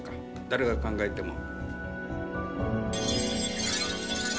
誰が考えても。